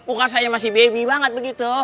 bukan saya masih baby banget begitu